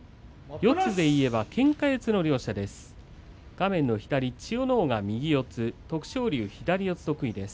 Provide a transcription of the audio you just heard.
四つでいえばけんか四つの両者です。